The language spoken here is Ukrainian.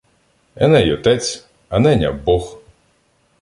Еней — отець, а неня — бог.